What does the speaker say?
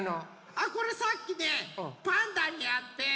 あっこれさっきねパンダにあって。